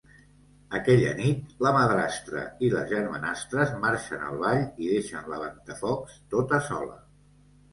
Aquella nit, la madrastra i les germanastres marxen al ball i deixen la Ventafocs tota sola.